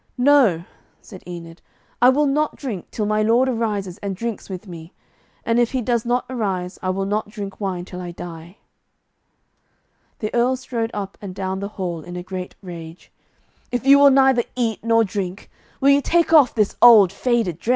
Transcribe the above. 'No,' said Enid, 'I will not drink, till my lord arises and drinks with me; and if he does not arise, I will not drink wine till I die.' The Earl strode up and down the hall in a great rage. 'If you will neither eat nor drink, will you take off this old faded dress?'